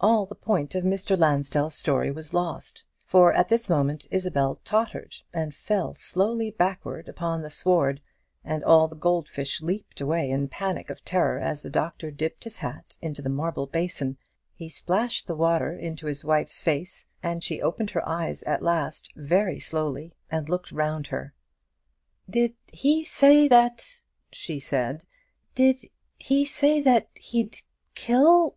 All the point of Mr. Lansdell's story was lost; for at this moment Isabel tottered and fell slowly backward upon the sward, and all the gold fish leaped away in a panic of terror as the doctor dipped his hat into the marble basin. He splashed the water into his wife's face, and she opened her eyes at last, very slowly, and looked round her. "Did he say that " she said, "did he say that he'd kill